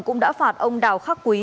cũng đã phạt ông đào khắc quý